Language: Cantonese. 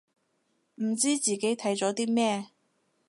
唔知自己睇咗啲咩